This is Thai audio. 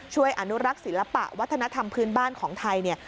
ช่วยอนุรักษ์ศิลปะวัฒนธรรมพื้นบ้านของไทยเนี่ย